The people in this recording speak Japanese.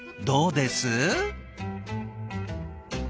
どうです？